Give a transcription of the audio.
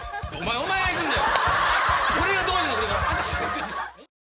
お前がいくんだよ！